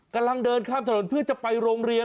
กำลังเดินข้ามถนนเพื่อจะไปโรงเรียน